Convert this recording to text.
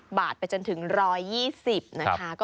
ก็๓๐บาทแล้วจนถึง๑๒๐บาท